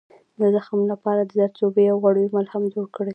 د زخم لپاره د زردچوبې او غوړیو ملهم جوړ کړئ